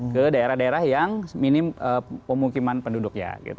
ke daerah daerah yang minim pemukiman penduduknya